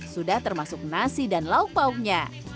sudah termasuk nasi dan lauk pauknya